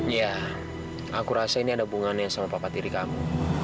ya aku rasa ini ada hubungannya sama papa tiri kamu